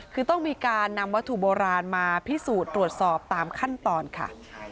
คือต้องมีการนำวัตถุโบราณมาพิสูจน์ตรวจสอบตามขั้นตอนค่ะ